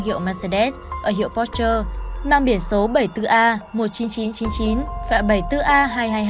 ở hiệu mercedes ở hiệu porsche mang biển số bảy mươi bốn a một mươi chín nghìn chín trăm chín mươi chín và bảy mươi bốn a hai mươi hai nghìn hai trăm hai mươi hai